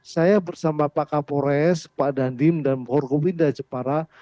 saya bersama pak kapolres pak dandim dan forkopinda jepara